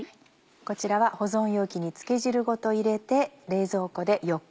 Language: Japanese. こちらは保存容器に漬け汁ごと入れて。